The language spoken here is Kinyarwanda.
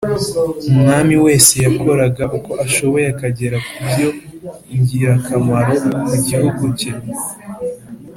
Umwami wese yakoraga uko ashoboye akagera kubyo ingirakamaro ku gihugu cye